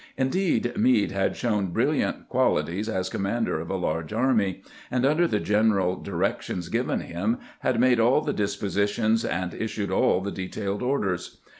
Indeed, Meade had shown brilliant quali ties as commander of a large army, and under the gen eral directions given him had made all the dispositions and issued all the detailed orders.